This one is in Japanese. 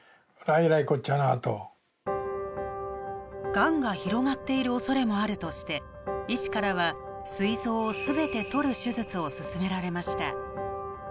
がんが広がっているおそれもあるとして医師からはすい臓を全て取る手術を勧められました。